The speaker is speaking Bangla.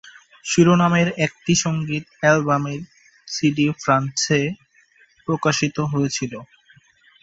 শিরোনামের একটি সংগীত অ্যালবামের সিডি ফ্রান্সে প্রকাশিত হয়েছিল।